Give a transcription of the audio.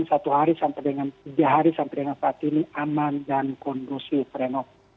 satu hari sampai dengan tiga hari sampai dengan saat ini aman dan kondusif renov